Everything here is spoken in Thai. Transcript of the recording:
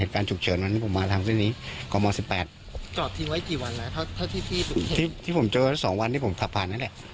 เหตุการณ์ฉุกเฉินวันนั้นผมมาทางเส้นนี้ก่อนมองสิบแปดจอดทิ้งไว้กี่วันแล้วถ้าที่ที่ที่ผมเจอสองวันที่ผมขับผ่านนั้นแหละ